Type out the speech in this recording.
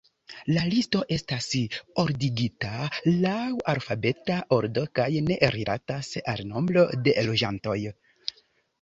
La listo estas ordigita laŭ alfabeta ordo kaj ne rilatas al nombro de loĝantoj.